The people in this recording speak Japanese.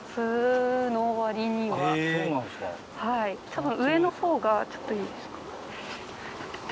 たぶん上のほうがちょっといいですか？